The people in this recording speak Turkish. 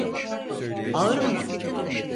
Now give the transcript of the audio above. Ağır mı?